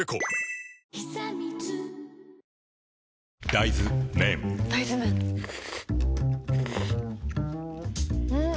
大豆麺ん？